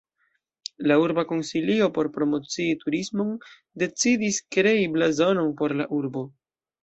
La urba konsilio, por promocii turismon, decidis krei blazonon por la urbo.